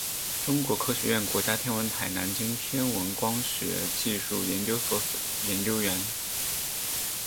中国科学院国家天文台南京天文光学技术研究所研究员。